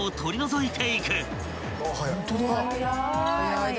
ホントだ。